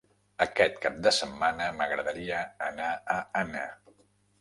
Aquest cap de setmana m'agradaria anar a Anna.